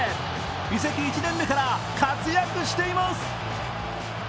移籍１年目から活躍しています。